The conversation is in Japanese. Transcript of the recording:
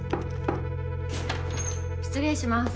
失礼します。